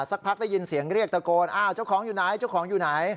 สักพักได้ยินเสียงเรียกตะโกนอ้าวเจ้าของอยู่ไหน